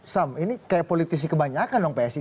sam ini kayak politisi kebanyakan dong psi